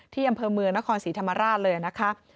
ที่อำเภอเมืองนครศรีธรรมราชเลยนะคะ